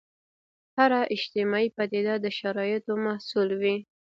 هره اجتماعي پدیده د شرایطو محصول وي.